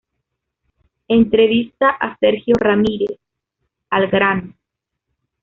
Entrevista a Sergio Ramírez"; "Al grano.